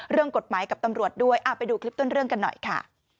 เรื่องกฎหมายกับตำรวจด้วยไปดูคลิปต้นเรื่องกันหน่อยค่ะ